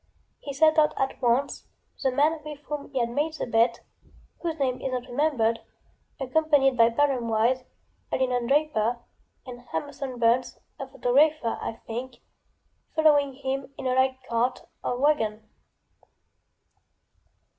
He set out at once, the man with whom he had made the betŌĆöwhose name is not rememberedŌĆöaccompanied by Barham Wise, a linen draper, and Hamerson Burns, a photographer, I think, following in a light cart or wagon.